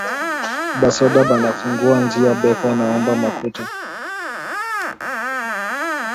Ba soda banafunga njia beko naomba makuta